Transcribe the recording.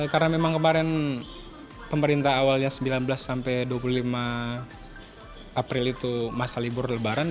karena memang kemarin pemerintah awalnya sembilan belas sampai dua puluh lima april itu masa libur lebaran